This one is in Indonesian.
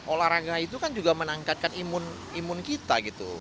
olahraga itu kan juga menangkatkan imun kita gitu